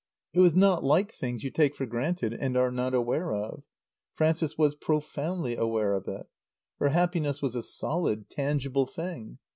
It was not like things you take for granted and are not aware of. Frances was profoundly aware of it. Her happiness was a solid, tangible thing.